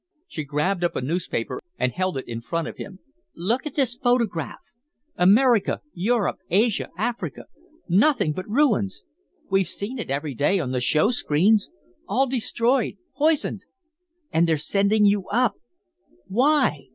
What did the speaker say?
She grabbed up a newspaper and held it in front of him. "Look at this photograph. America, Europe, Asia, Africa nothing but ruins. We've seen it every day on the showscreens. All destroyed, poisoned. And they're sending you up. Why?